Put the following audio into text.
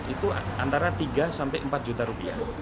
itu antara tiga sampai empat juta rupiah